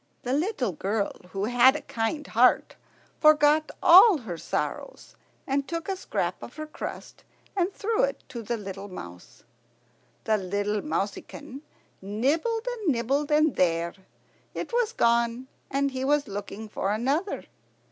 The little girl, who had a kind heart, forgot all her sorrows, and took a scrap of her crust and threw it to the little mouse. The mouseykin nibbled and nibbled, and there, it was gone, and he was looking for another.